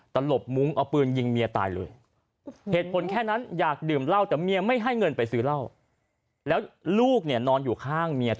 ตลบมุ้งเอาปืนยิงเมียตายเลยเหตุผลแค่นั้นอยากดื่มเหล้า